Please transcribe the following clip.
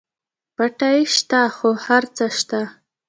پټی شته هر څه شته.